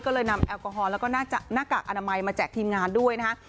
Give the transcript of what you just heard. ก็เลยนำแอลกอฮอลแล้วก็หน้ากากอนามัยมาแจกทีมงานด้วยนะฮะ